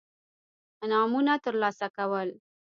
انعامونه ترلاسه کول.